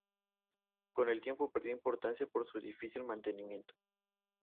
Con el tiempo perdió importancia por su difícil mantenimiento.